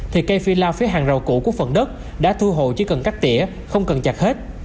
thì cây phi lao phía hàng rầu cổ của phần đất đã thu hồn chỉ cần cắt tỉa không cần chặt hết